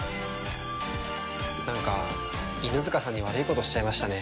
なんか犬塚さんに悪いことをしちゃいましたね。